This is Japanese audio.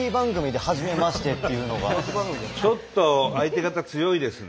ちょっと相手方強いですね。